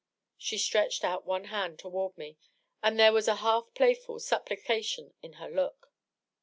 She stretched out one d toward me, and there was a half playful supplication in her look.